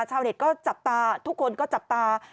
ชาวเน็ตก็จับตาทุกคนก็จับตา